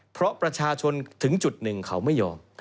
เพราะประชาชนถึงจุดหนึ่งเขาไม่ยอม